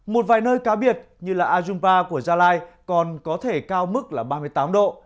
một vài nơi cá biệt như ajumpa của gia lai còn có thể cao mức là ba mươi tám độ